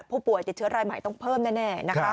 ผู้ป่วยติดเชื้อรายใหม่ต้องเพิ่มแน่นะคะ